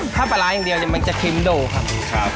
ถ้าปลาร้าอย่างเดียวมันจะเค็มโด่ค่ะ